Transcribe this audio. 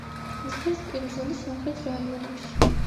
ზღვისპირა ზოლის სამხრეთ რაიონებში.